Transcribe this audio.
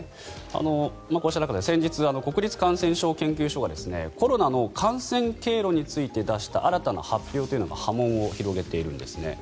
こうした中先日、国立感染症研究所がコロナの感染経路について出した新たな発表というのが波紋を広げているんです。